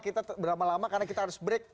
kita berapa lama karena kita harus break